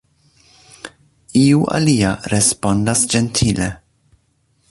Iu alia, respondas ĝentile.